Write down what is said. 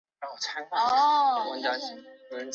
这个走道连起来